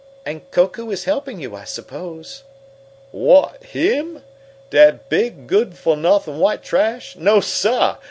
"And Koku is helping you, I suppose?" "Whut, him? Dat big, good fo' nuffin white trash? No, sah!